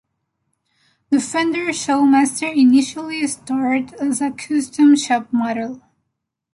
The Fender Showmaster initially started as a Custom Shop model.